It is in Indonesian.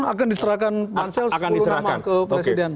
akan diserahkan pansel sepuluh nama ke presiden